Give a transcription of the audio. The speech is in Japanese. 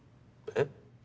えっ？